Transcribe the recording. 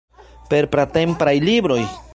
Per pratempaj libroj?